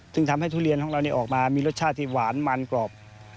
ซึ่งทำให้ทุเรียนของเราออกมามีรสชาติที่หวานมันกรอบ